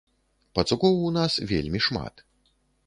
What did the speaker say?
Пацукоў у нас вельмі шмат.